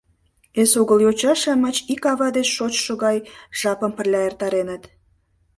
Эсогыл йоча-шамыч ик ава деч шочшо гай жапым пырля эртареныт.